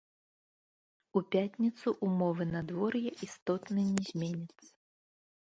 У пятніцу ўмовы надвор'я істотна не зменяцца.